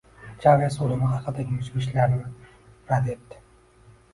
Chaves o‘limi haqidagi mish-mishlarni rad etdi